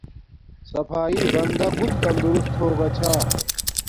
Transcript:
صفایݵ بندا گڎ تندرست ہوگا چھا